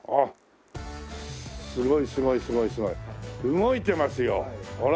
動いてますよほら。